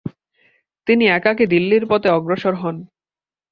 তিনি একাকী দিল্লির পথে অগ্রসর হন।